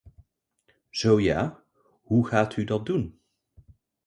Zo ja, hoe gaat u dat doen?